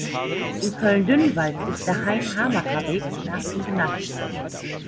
In Köln-Dünnwald ist der "Hein-Hamacher-Weg" nach ihm benannt.